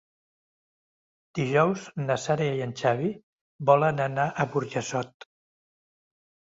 Dijous na Sara i en Xavi volen anar a Burjassot.